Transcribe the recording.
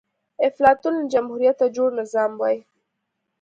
افلاطون له جمهوريته جوړ نظام وای